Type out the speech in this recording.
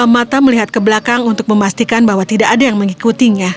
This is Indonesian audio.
mata melihat ke belakang untuk memastikan bahwa tidak ada yang mengikutinya